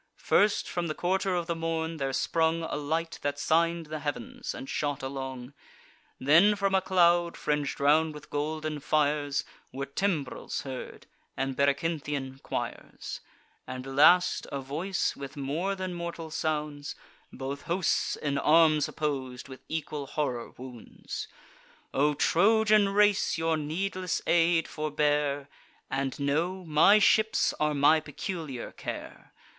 First, from the quarter of the morn, there sprung A light that sign'd the heav'ns, and shot along; Then from a cloud, fring'd round with golden fires, Were timbrels heard, and Berecynthian choirs; And, last, a voice, with more than mortal sounds, Both hosts, in arms oppos'd, with equal horror wounds: "O Trojan race, your needless aid forbear, And know, my ships are my peculiar care.